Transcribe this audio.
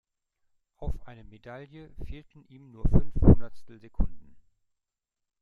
Auf eine Medaille fehlten ihm nur fünf Hundertstelsekunden.